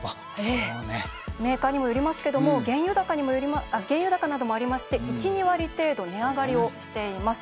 メーカーにもよりますが原油高などもありまして１２割程度値上がりをしています。